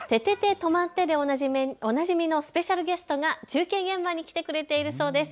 とまって！でおなじみのスペシャルゲストが中継現場に来てくれているそうです。